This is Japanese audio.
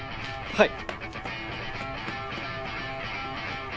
はい。